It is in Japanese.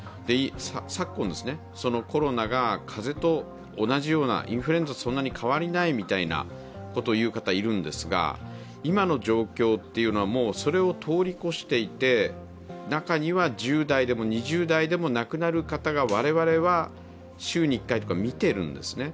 昨今、コロナが風邪と同じような、インフルエンザとそんなに変わりないということを言う方いるんですが、今の状況というのはそれを通り越していて、中には１０代でも２０代でも亡くなる方が、我々は週に１回とか見てるんですね。